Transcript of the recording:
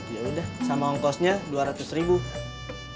yaudah sama ongkosnya rp dua ratus